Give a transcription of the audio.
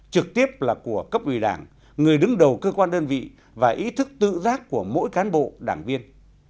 trực tiếp là của cấp ủy đảng người đứng đầu cơ quan đơn vị và ý thức tự giác của mỗi cán bộ đảng viên